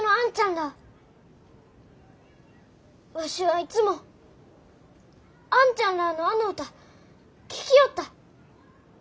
らあわしはいつもあんちゃんらあのあの歌聴きよった。